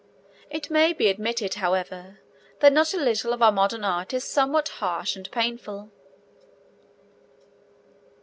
It may be admitted, however, that not a little of our modern art is somewhat harsh and painful.